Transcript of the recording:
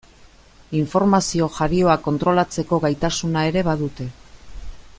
Informazio jarioa kontrolatzeko gaitasuna ere badute.